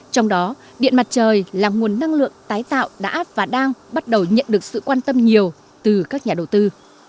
trong đó điện mặt trời là nguồn năng lượng tái tạo đã và đang bắt đầu nhận được sự quan tâm nhiều từ các nhà đầu tư